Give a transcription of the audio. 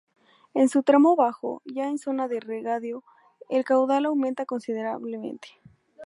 En su tramo bajo, ya en zona de regadío, el caudal aumenta considerablemente.